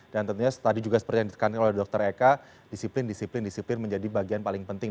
dan tentunya tadi juga seperti yang dikatakan oleh dr eka disiplin disiplin disiplin menjadi bagian paling penting